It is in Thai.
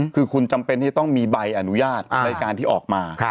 คือคุณจำเป็นที่จะต้องมีใบอนุญาตรายการที่ออกมา